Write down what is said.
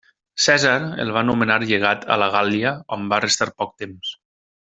Cèsar el va nomenar llegat a la Gàl·lia on va restar poc temps.